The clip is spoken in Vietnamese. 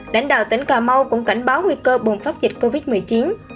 lãnh đạo tỉnh cà mau cũng cảnh báo nguy cơ bùng phát dịch covid một mươi chín